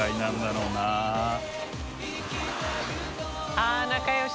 あぁ仲良し。